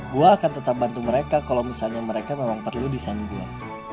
gue akan tetap bantu mereka kalau misalnya mereka memang perlu desain gue